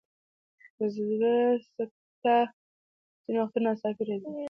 د زړه سکته ځینې وختونه ناڅاپه راځي.